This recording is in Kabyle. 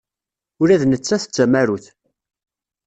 Ula d nettat d tamarut.